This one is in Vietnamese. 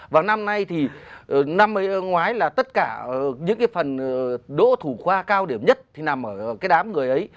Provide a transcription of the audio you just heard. và năm nay thì năm ngoái là tất cả những cái phần đỗ thủ khoa cao điểm nhất thì nằm ở cái đám người ấy